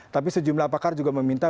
tapi sejumlah pakar juga meminta